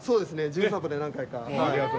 『じゅん散歩』で何回か。